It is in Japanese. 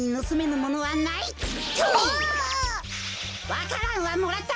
わか蘭はもらった！